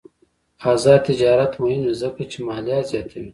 آزاد تجارت مهم دی ځکه چې مالیات زیاتوي.